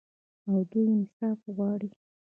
او دوی انصاف غواړي.